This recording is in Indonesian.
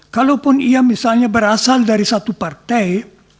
kalaupun ia misalnya berasal dari satu partai